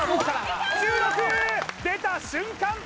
出た瞬間